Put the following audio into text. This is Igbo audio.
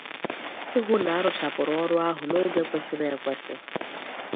ịhụ na a rụchapụrụ ọrụ ahụ n'oge kwesiri ekwesi